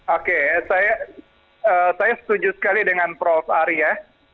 oke saya setuju sekali dengan prof ari ya